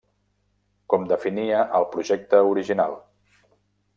Com definia el projecte original.